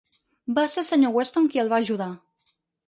Va ser el Sr. Weston qui el va ajudar.